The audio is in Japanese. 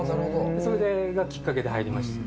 それがきっかけで入りました。